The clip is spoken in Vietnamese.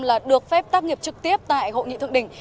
là được phép tác nghiệp trực tiếp tại hội nghị thượng đỉnh